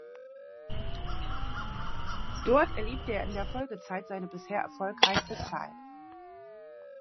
Dort erlebte er in der Folgezeit seine bisher erfolgreichste Zeit.